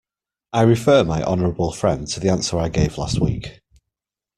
I refer my honourable friend to the answer I gave last week.